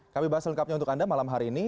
kami bahas lengkapnya untuk anda malam hari ini